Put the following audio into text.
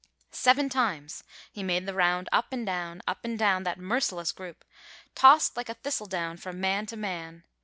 Seven times he made the round up and down, up and down that merciless group, tossed like a thistle down from man to man.